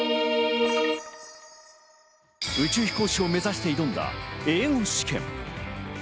宇宙飛行士を目指して挑んだ英語試験。